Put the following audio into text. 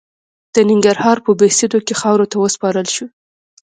د ننګرهار په بهسودو کې خاورو ته وسپارل شو.